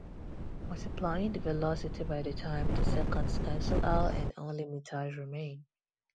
Multiplying the velocity by the time, the seconds cancel out and only meters remain.